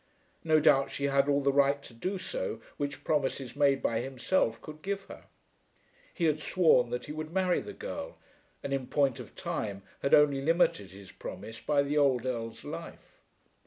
No doubt she had all the right to do so which promises made by himself could give her. He had sworn that he would marry the girl, and in point of time had only limited his promise by the old Earl's life.